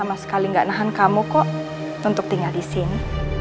sama sekali nggak nahan kamu kok untuk tinggal di sini